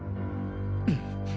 うん。